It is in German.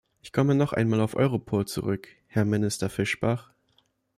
Ich komme noch einmal auf Europol zurück, Herr Minister Fischbach.